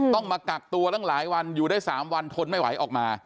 ต้องมากักตัวตั้งหลายวันอยู่ได้๓วันทนไม่ไหวออกมา